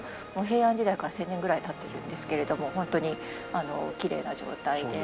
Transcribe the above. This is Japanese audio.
平安時代から１０００年ぐらい経ってるんですけれどもホントにきれいな状態で。